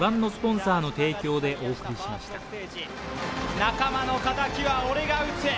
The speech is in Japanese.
仲間の敵は俺が打つ。